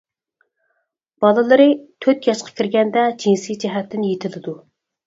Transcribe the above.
بالىلىرى تۆت ياشقا كىرگەندە جىنسىي جەھەتتىن يېتىلىدۇ.